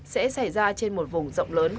sẽ xảy ra trên một vùng rộng lớn